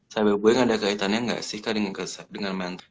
cyberbullying ada kaitannya gak sih kak dengan mental illness